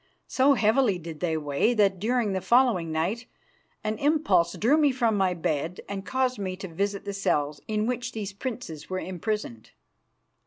So heavily did they weigh that, during the following night, an impulse drew me from my bed and caused me to visit the cells in which these princes were imprisoned.